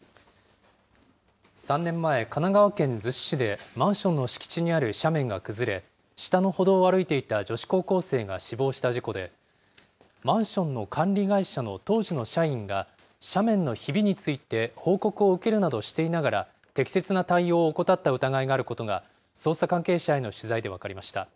３年前、神奈川県逗子市でマンションの敷地にある斜面が崩れ、下の歩道を歩いていた女子高校生が死亡した事故で、マンションの管理会社の当時の社員が、斜面のひびについて報告を受けるなどしていながら、適切な対応を怠った疑いがあることが、捜査関係者への取材で分かりました。